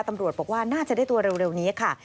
ตำรวจบอกว่าน่าจะได้ตัวเร็วนี้ค่ะ